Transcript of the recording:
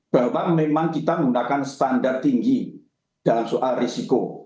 bahwa memang kita menggunakan standar tinggi dalam soal risiko